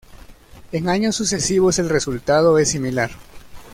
En años sucesivos el resultado es similar.